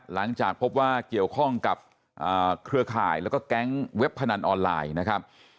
หลังจากพบว่าเกี่ยวข้องกับเครือข่ายแล้วก็แก๊งเว็บพนันออนไลน์นะครับ